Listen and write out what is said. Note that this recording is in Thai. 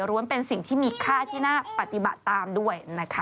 ้วนเป็นสิ่งที่มีค่าที่น่าปฏิบัติตามด้วยนะคะ